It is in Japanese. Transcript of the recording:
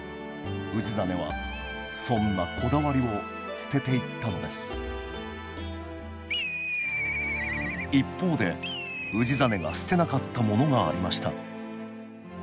氏真はそんなこだわりを捨てていったのです一方で氏真が捨てなかったものがありました